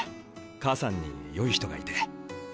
母さんによい人がいて。